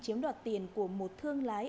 chiếm đoạt tiền của một thương lái